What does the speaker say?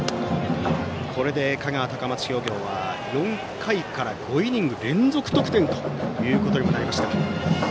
これで香川・高松商業は４回から５イニング連続得点ということにもなりました。